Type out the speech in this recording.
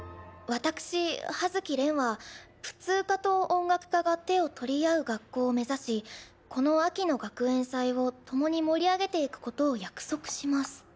「わたくし葉月恋は普通科と音楽科が手を取り合う学校を目指しこの秋の学園祭を共に盛り上げていくことを約束します」。